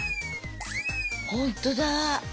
ほんとだ！